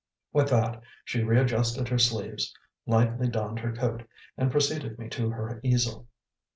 With that, she readjusted her sleeves, lightly donned her coat, and preceded me to her easel.